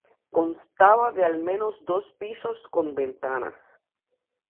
Constaba de al menos dos pisos con ventanas.